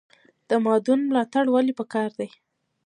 د مادون ملاتړ ولې پکار دی؟